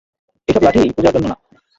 এইসব লাঠি পূজার জন্য না।